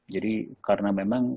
jadi karena memang